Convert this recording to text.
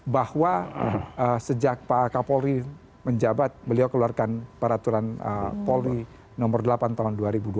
bahwa sejak pak paul ri menjabat beliau keluarkan peraturan paul ri nomor delapan tahun dua ribu dua puluh satu